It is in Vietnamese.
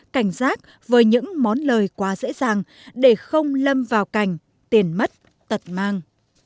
cảnh giác với những món lời quá dễ dàng để không lâm vào cảnh tiền mất tật mang